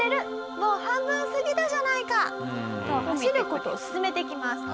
「もう半分過ぎたじゃないか」と走る事を勧めてきます。